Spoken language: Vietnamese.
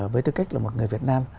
với tư cách là một người việt nam